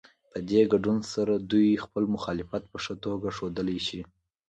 په دې ګډون سره دوی خپل مخالفت په ښه توګه ښودلی شي.